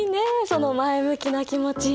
その前向きな気持ち。